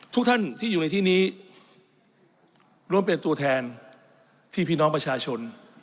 ทุกท่านที่อยู่ในที่นี้รวมเป็นตัวแทนที่พี่น้องประชาชน